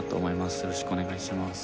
「よろしくお願いします」